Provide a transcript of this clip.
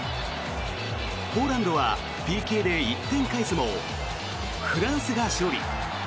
ポーランドはＰＫで１点返すもフランスが勝利。